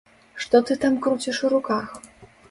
Што ты там круціш у руках?